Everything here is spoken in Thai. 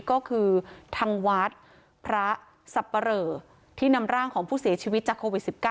ก็คือทางวัดพระสับปะเหลอที่นำร่างของผู้เสียชีวิตจากโควิด๑๙